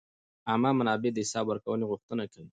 عامه منابع د حساب ورکونې غوښتنه کوي.